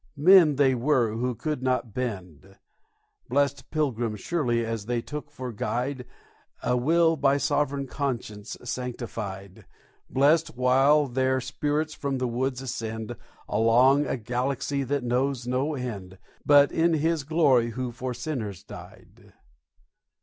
Men they were who could not bend; Blest Pilgrims, surely, as they took for guide A will by sovereign Conscience sanctified; Blest while their Spirits from the woods ascend Along a Galaxy that knows no end, But in His glory who for Sinners died.